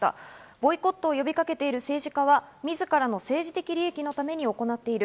ボイコットを呼びかけている政治家は自らの政治的利益のために行っている。